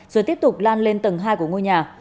rồi tiếp tục lan lên tầng hai của ngôi nhà